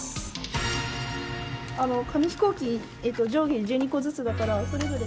紙飛行機上下１２個ずつだから。